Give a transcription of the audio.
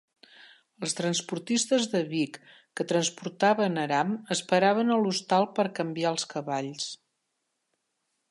Els transportistes de Vic, que transportaven aram es paraven a l'hostal per canviar els cavalls.